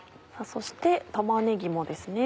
そして玉ねぎもですね。